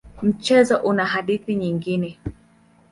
Mchezo una hadithi nyingine.